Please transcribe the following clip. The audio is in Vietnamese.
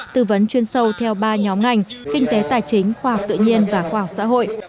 tư vấn chuyên sâu theo ba nhóm ngành kinh tế tài chính khoa học tự nhiên và khoa học xã hội